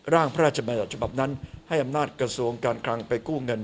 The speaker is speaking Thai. ร่างพระราชบัญญัติฉบับนั้นให้อำนาจกระทรวงการคลังไปกู้เงิน